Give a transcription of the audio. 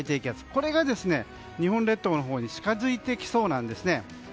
これが、日本列島のほうに近づいてきそうなんですね。